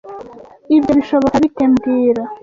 Ibyo bishoboka bite mbwira